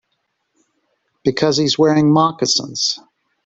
Because he's wearing moccasins.